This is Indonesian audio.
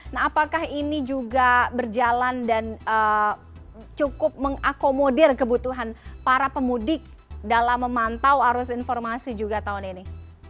nah apakah ini juga berjalan dan cukup mengakomodir kebutuhan para pemudik dalam memantau arus informasi juga tahun ini